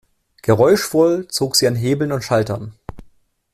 Geräuschvoll zog sie an Hebeln und Schaltern.